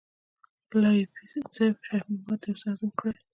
لایپیز انزایم شحمي مواد یو څه هضم کړي.